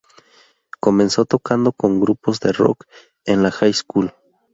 Comenzó tocando con grupos de rock en la high school.